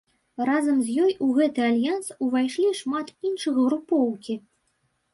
Разам з ёй у гэты альянс ўвайшлі шмат іншых групоўкі.